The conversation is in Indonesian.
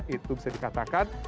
itu bisa dikatakan